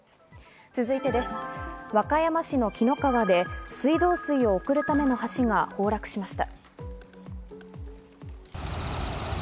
和歌山市の紀の川で水道水を送るための橋が崩落しました。